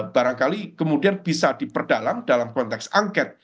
barangkali kemudian bisa diperdalam dalam konteks angket